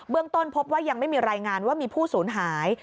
ต้นพบว่ายังไม่มีรายงานว่ามีผู้สูญหาย